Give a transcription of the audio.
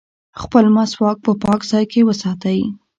خپل مسواک په پاک ځای کې وساتئ.